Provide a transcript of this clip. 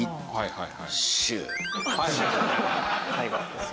はい。